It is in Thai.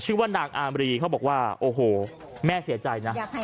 ชื่อว่านางอามรีเขาบอกว่าโอ้โหแม่เสียใจนะ